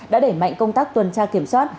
đã đẩy mạnh công tác tuần tra kiểm soát